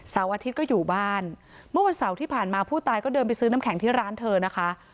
อาทิตย์ก็อยู่บ้านเมื่อวันเสาร์ที่ผ่านมาผู้ตายก็เดินไปซื้อน้ำแข็งที่ร้านเธอนะคะ